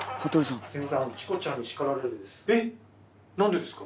えっ⁉なんですか？